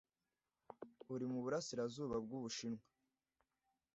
uri mu burasirazuba bw'Ubushinwa